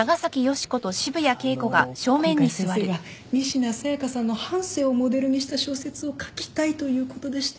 あの今回先生が仁科紗耶香さんの半生をモデルにした小説を書きたいということでして。